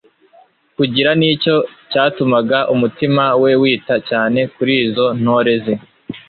kugira nicyo cyatumaga umutima we wita cyane kuri izo ntore ze.